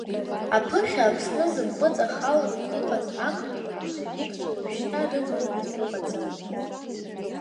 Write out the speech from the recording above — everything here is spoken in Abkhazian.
Аԥыхьа Аԥсны зымпыҵахаланы иҟаз ақырҭуа меншевикцәа уажәшьҭа рыӡбахәгьы ыҟаӡам.